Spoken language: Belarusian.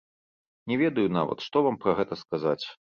Не ведаю нават, што вам пра гэта сказаць.